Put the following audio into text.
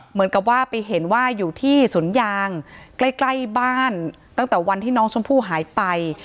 เหมือนกับว่าไปเห็นว่าอยู่ที่สวนยางใกล้บ้านตั้งแต่วันที่น้องชมพู่หายไป